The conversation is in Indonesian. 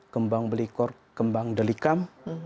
kembang belikor kembang delikam